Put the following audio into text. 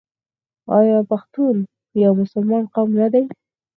آیا پښتون یو مسلمان قوم نه دی؟